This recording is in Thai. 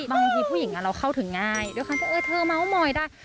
บางทีผู้หญิงเราเข้าถึงง่ายด้วยครั้งเท่าไหร่เธอม้าวมอยได้